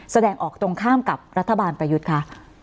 แสดงออกตรงข้ามกับรัฐบาลประยุทธ์คะ